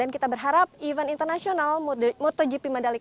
dan kita berharap event internasional motogp mandalika